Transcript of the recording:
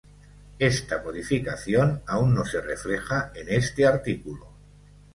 Ésta modificación aún no se refleja en este artículo.